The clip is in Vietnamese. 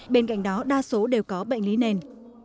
bên cạnh đó đa số đều có bệnh lý nền